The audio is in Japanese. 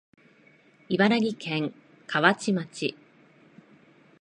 茨城県河内町